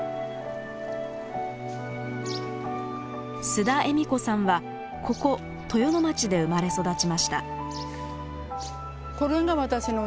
須田栄美子さんはここ豊野町で生まれ育ちました。